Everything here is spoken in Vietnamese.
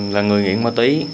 là người nghiện ma túy